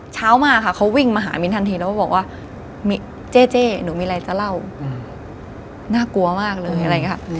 เช้ามาค่ะเขาวิ่งมาหามิ้นทันทีแล้วก็บอกว่าเจ๊หนูมีอะไรจะเล่าน่ากลัวมากเลยอะไรอย่างนี้ค่ะ